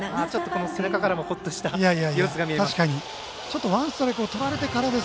背中からもほっとした様子が見れます。